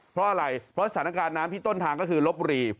เพราะอะไรเพราะสถานการณ์น้ำที่ต้นทางก็คือลบบุรี